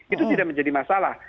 itu tidak menjadi masalah